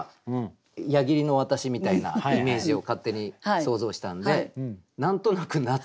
矢切の渡しみたいなイメージを勝手に想像したんで何となく夏。